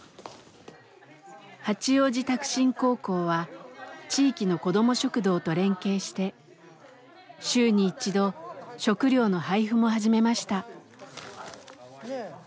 八王子拓真高校は地域のこども食堂と連携して週に一度食料の配布も始めました。